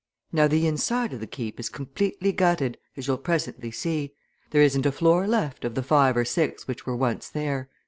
Now the inside of the Keep is completely gutted, as you'll presently see there isn't a floor left of the five or six which were once there.